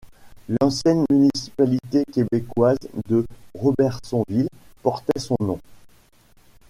L'ancienne municipalité québécoise de Robertsonville portait son nom.